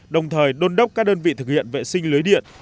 đồng thời đôn đốc các đơn vị thực hiện vệ sinh lưới điện